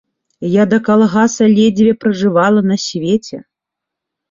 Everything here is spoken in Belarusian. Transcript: Я да калгаса ледзьве пражывала на свеце.